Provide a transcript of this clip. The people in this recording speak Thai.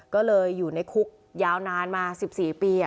ก็เลยอยู่ในคุกยาวนานมา๑๔ปี